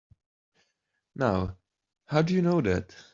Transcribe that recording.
Now how'd you know that?